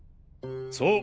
そう。